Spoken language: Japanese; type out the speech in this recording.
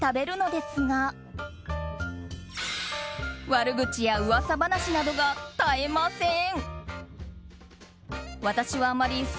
悪口や噂話などが絶えません。